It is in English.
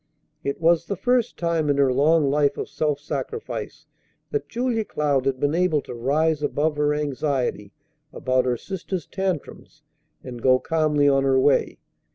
It was the first time in her long life of self sacrifice that Julia Cloud had been able to rise above her anxiety about her sister's tantrums and go calmly on her way.